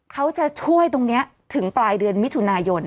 เขาจะช่วยตรงนี้ถึงปลายเดือนมิถุนายน